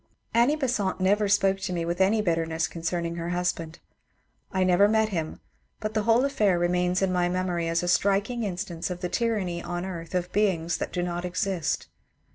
Annie Besant never spoke to me with any bitterness con cerning her husband. I never met him, but the whole affair remains in my memory as a striking instance of the tyranny on earth of beings that do not exist.